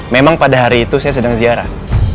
memang pada hari itu saya sedang ziarah